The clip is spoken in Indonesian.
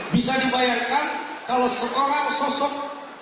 bisa dibayangkan kalau seorang sosok